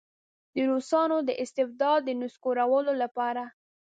د روسانو د استبداد د نسکورولو لپاره.